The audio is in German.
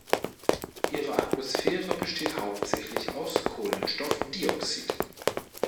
Ihre Atmosphäre besteht hauptsächlich aus Kohlenstoffdioxid.